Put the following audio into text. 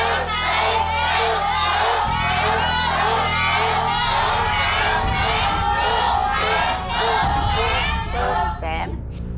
ผิดนะครับ